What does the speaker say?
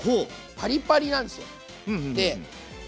パリパリなんですよ。